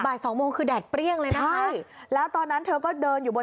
สองโมงคือแดดเปรี้ยงเลยนะคะใช่แล้วตอนนั้นเธอก็เดินอยู่บน